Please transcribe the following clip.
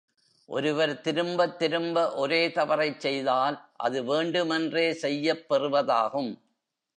ஒருவர் திரும்ப திரும்ப ஒரே தவறைச் செய்தால் அது வேண்டும் என்றே செய்யப் பெறுவதாகும்.